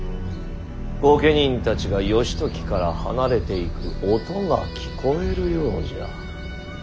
御家人たちが義時から離れていく音が聞こえるようじゃ。